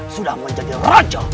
sudah menjadi raja